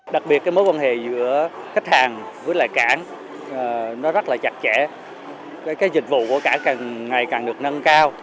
đặc biệt mối quan hệ giữa khách hàng với cảng rất chặt chẽ dịch vụ của cảng ngày càng được nâng cao